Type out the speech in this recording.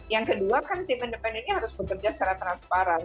yang kedua kan tim independennya harus bekerja secara transparan